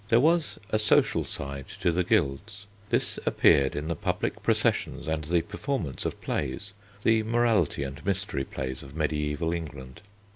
There was a social side to the guilds. This appeared in the public processions and the performances of plays, the morality and mystery plays of mediæval England.